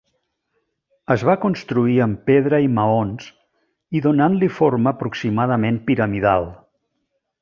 Es va construir amb pedra i maons i donant-li forma aproximadament piramidal.